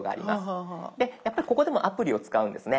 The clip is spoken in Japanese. でやっぱりここでもアプリを使うんですね。